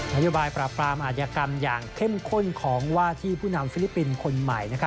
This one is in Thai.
โยบายปราบปรามอาธิกรรมอย่างเข้มข้นของว่าที่ผู้นำฟิลิปปินส์คนใหม่